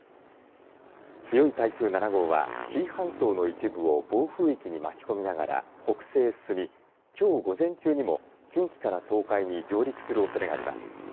強い台風７号は紀伊半島の一部を暴風域に巻き込みながら北西へ進みきょう午前中にも近畿から東海に上陸するおそれがあります。